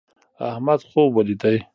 احمد خوب ولید